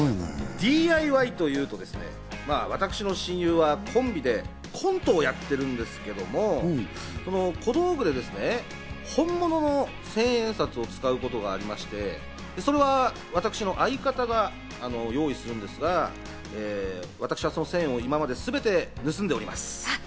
ＤＩＹというとですね、私の親友はコンビでコントをやっているんですけれども、小道具でですね、本物の１０００円札を使うことがありまして、それは私の相方が用意するんですが、私はその１０００円を全て今まで盗んでおります。